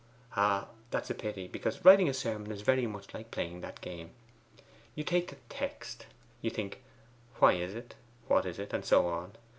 'Ah, that's a pity, because writing a sermon is very much like playing that game. You take the text. You think, why is it? what is it? and so on.